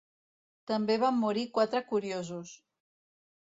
"També van morir quatre curiosos."